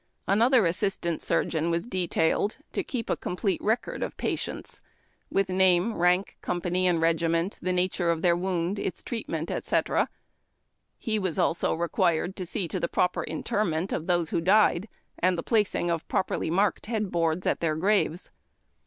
Another assistant surgeon was detailed to keep a complete record of patients, with name, rank, company, and regiment, the nature of their wound, its treatment, etc. He was also required to see to the proper interment of those who died, and the placing of properly marked head boards at their graves.